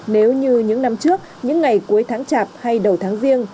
nếu như những năm trước những ngày cuối tháng chạp hay đầu tháng riêng